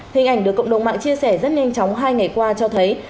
hình ảnh được cộng đồng mạng chia sẻ rất nhanh chóng hai ngày qua cho thấy